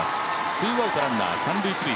ツーアウト、ランナー、三・一塁。